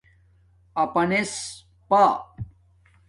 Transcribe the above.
اپانس پݳ